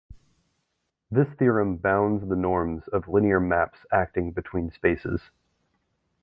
This theorem bounds the norms of linear maps acting between spaces.